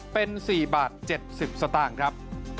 เป็น๔บาท๗๐สตางค์ครับ